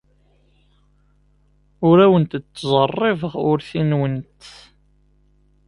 Ur awent-d-ttẓerribeɣ urti-nwent.